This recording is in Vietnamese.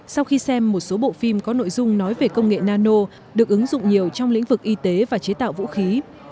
sau khi xem một số bộ phim có nội dung nói về công nghệ nano được ứng dụng nhiều trong lĩnh vực y tế và chế tạo vũ khí